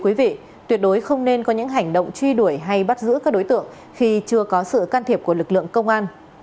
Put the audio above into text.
quý vị tuyệt đối không nên có những hành động truy đuổi hay bắt giữ các đối tượng khi chưa có sự can thiệp của lực lượng công an